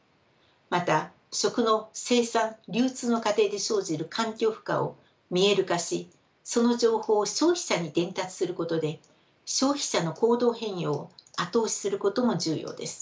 また食の生産流通の過程で生じる環境負荷を見える化しその情報を消費者に伝達することで消費者の行動変容を後押しすることも重要です。